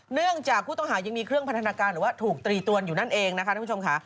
เนื่องจากผู้ต้องหายังมีเครื่องพันธนาการหรือว่าถูกตรีตวนอยู่นั่นเองนะคะท่านผู้ชมค่ะ